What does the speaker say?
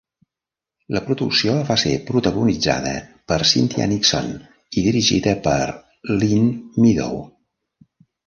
La producció va ser protagonitzada per Cynthia Nixon i dirigida per Lynne Meadow.